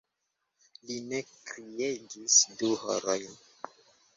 Li ne kriegis du horojn!